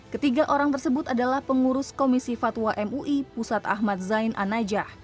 ketiga orang tersebut adalah pengurus komisi fatwa mui pusat ahmad zain anajah